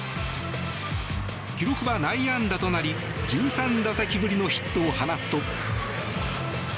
記録は内野安打となり１３打席ぶりのヒットを放つと。